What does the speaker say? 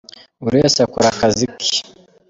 buriwese akora akazi ke.